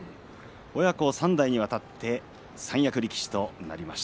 親子３代にわたって三役力士となりました。